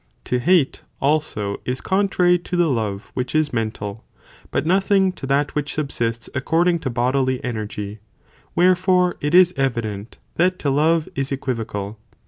To hate, also, is contrary to the love which is mental, but nothing to that which subsists ac cording to bodily energy, wherefore it is evident that to love, is equivocal.